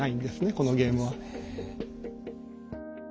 このゲームは。